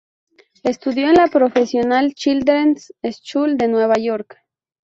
Estudió en la Professional Children's School de Nueva York